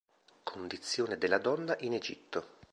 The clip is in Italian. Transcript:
Condizione della donna in Egitto